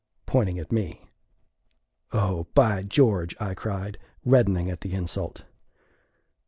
pointing at me. "O, by George!" I cried, reddening at the insult.